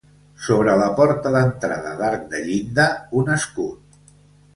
Sobre la porta d'entrada d'arc de llinda, un escut.